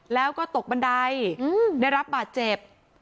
แล้วก็ตกบันไดได้รับบาดเจ็บ